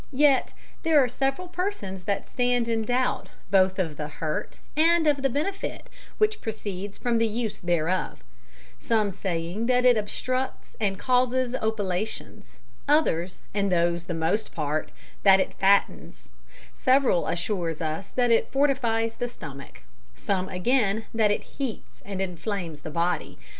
Yet there are several persons that stand in doubt both of the hurt and of the benefit, which proceeds from the use thereof; some saying, that it obstructs and causes opilations, others and those the most part, that it fattens, several assure us that it fortifies the stomach: some again that it heats and inflames the body.